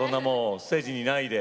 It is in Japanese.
ステージにいないで！